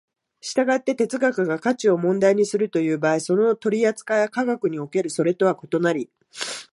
従って哲学が価値を問題にするという場合、その取扱いは科学におけるそれとは異なり、